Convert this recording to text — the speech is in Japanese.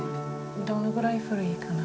どのぐらい古いかな？